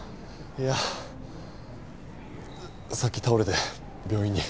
いやさっき倒れて病院に。